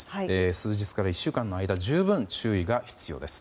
数日から１週間の間十分、注意が必要です。